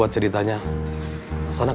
aku belum pernah spesifik